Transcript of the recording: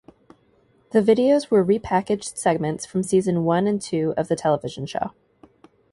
The videos were repackaged segments from season one and two of the television show.